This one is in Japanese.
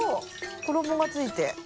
衣がついて。